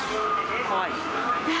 怖い？